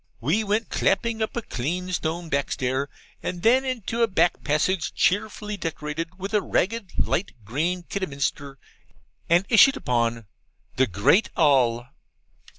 We went clapping up a clean stone backstair, and then into a back passage cheerfully decorated with ragged light green Kidderminster, and issued upon 'THE GREAT ALL.